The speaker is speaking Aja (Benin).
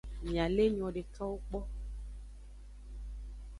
Miale enyo dekawo kpo.